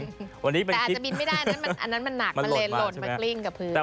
แต่อาจจะบินไม่ได้อันนั้นหนักลดแล้วขึ้นกับพื้น